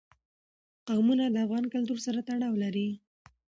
قومونه د افغان کلتور سره تړاو لري.